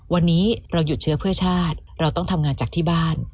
วันนี้เราหยุดเชื้อเพื่อชาติเราต้องทำงานจากที่บ้าน